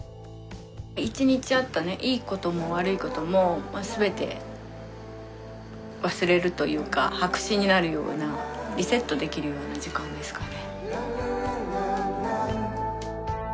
一日あったいい事も悪い事も全て忘れるというか白紙になるようなリセットできるような時間ですかね。